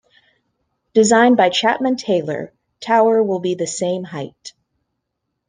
Designed by Chapman Taylor, tower will be the same height.